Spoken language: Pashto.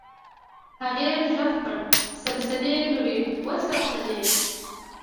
هغې غږ کړ سلسلې لورې وه سلسلې.